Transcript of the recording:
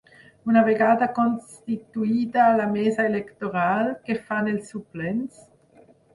Una vegada constituïda la mesa electoral, què fan els suplents?